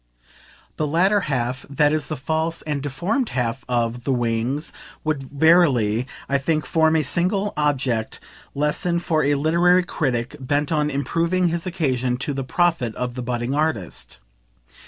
The latter half, that is the false and deformed half, of "The Wings" would verily, I think, form a signal object lesson for a literary critic bent on improving his occasion to the profit of the budding artist.